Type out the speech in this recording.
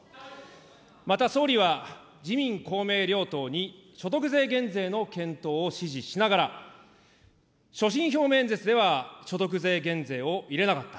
また総理は、自民、公明両党に所得税減税の検討を指示しながら、所信表明演説では所得税減税を入れなかった。